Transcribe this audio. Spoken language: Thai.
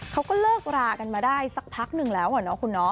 เขาก็เลิกรากันมาได้สักพักหนึ่งแล้วอะเนาะคุณเนาะ